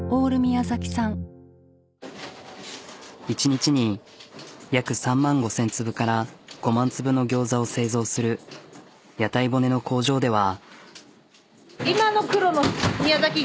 １日に約３万５、０００粒から５万粒のギョーザを製造する屋台骨の工場では。